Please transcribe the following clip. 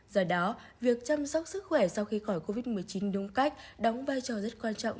do đó việc chăm sóc sức khỏe sau khi khỏi covid một mươi chín đúng cách đóng vai trò rất quan trọng